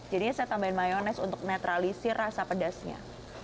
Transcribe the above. jadinya saya tambahin mayonese untuk netralisir rasa pedasnya